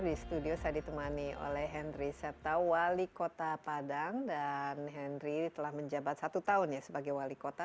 di studio saya ditemani oleh henry setta wali kota padang dan henry telah menjabat satu tahun ya sebagai wali kota